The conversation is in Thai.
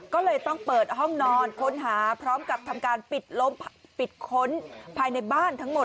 ก็เลยต้องเปิดห้องนอนค้นหาพร้อมกับทำการปิดล้อมปิดค้นภายในบ้านทั้งหมด